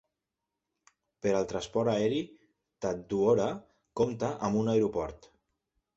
Per al transport aeri, Tajdoura compta amb un aeroport.